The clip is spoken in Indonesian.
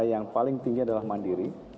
yang paling tinggi adalah mandiri